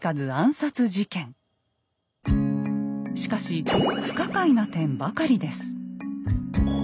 しかし不可解な点ばかりです。